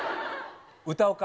歌おうか。